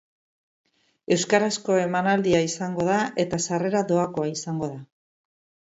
Euskarazko emanaldia izango da eta sarrera dohakoa izango da.